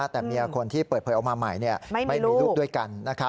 แต่เมียคนที่เปิดเผยออกมาใหม่ไม่มีลูกด้วยกัน